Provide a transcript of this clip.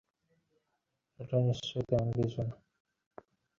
এটা নিশ্চয়ই তেমন কিছু না।